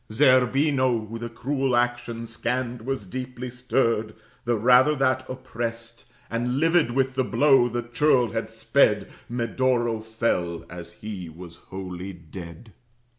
Zerbino, who the cruel action scanned, Was deeply stirred, the rather that, opprest, And livid with the blow the churl had sped, Medoro fell as he was wholly dead.